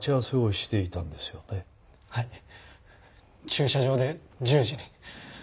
駐車場で１０時に。